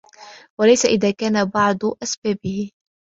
وَلَيْسَ إذَا كَانَ بَعْضُ أَسْبَابِهِ